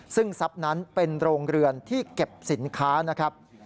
ซึ่งทรัพย์นั้นเป็นโรงเรือนที่เก็บสินค้านะครับ